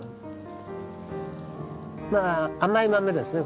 まあ甘い豆ですね